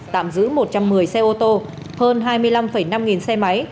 tạm giữ một trăm một mươi xe ô tô hơn hai mươi năm năm trăm linh xe máy